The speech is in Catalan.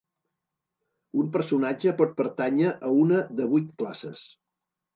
Un personatge pot pertànyer a una de vuit classes.